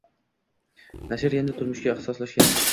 Nashr endi turizmga ixtisoslashgan